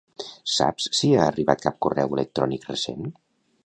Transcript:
Saps si ha arribat cap correu electrònic recent?